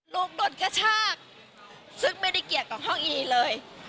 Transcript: โดนกระชากซึ่งไม่ได้เกี่ยวกับห้องอีเลย